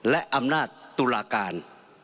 และอำนาจตุลาการ